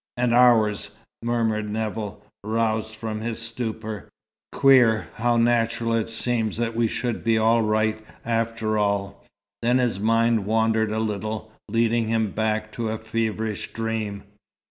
"And ours," murmured Nevill, roused from his stupor. "Queer, how natural it seems that we should be all right after all." Then his mind wandered a little, leading him back to a feverish dream.